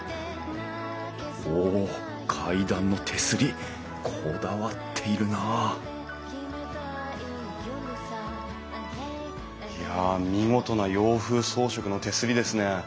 おっ階段の手すりこだわっているないや見事な洋風装飾の手すりですね。